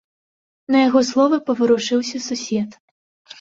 На яго словы паварушыўся сусед.